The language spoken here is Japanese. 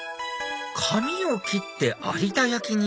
紙を切って有田焼に？